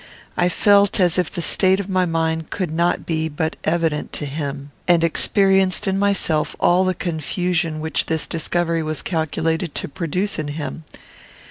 I felt as if the state of my mind could not but be evident to him; and experienced in myself all the confusion which this discovery was calculated to produce in him.